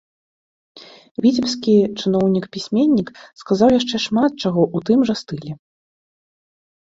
Віцебскі чыноўнік-пісьменнік сказаў яшчэ шмат чаго ў тым жа стылі.